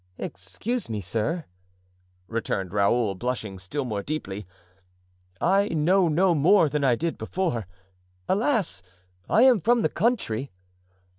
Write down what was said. "Excuse me, sir," returned Raoul, blushing still more deeply, "I know no more than I did before. Alas! I am from the country."